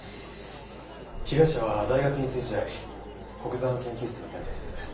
被害者は大学院生時代古久沢の研究室にいたみたいです。